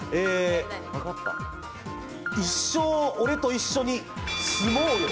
一生俺と一緒にスモウよ。